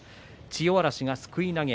千代嵐、すくい投げ。